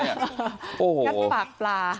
งัดปากปลา